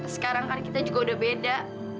sekarang kan kita juga udah beda